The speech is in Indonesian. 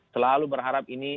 selalu berharap ini